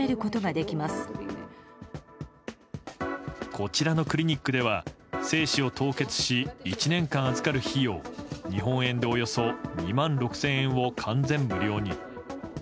こちらのクリニックでは精子を凍結し１年間預かる費用日本円でおよそ２万６０００円を完全無料に。